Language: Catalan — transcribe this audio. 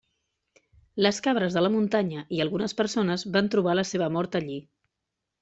Les cabres de la muntanya i algunes persones van trobar la seva mort allí.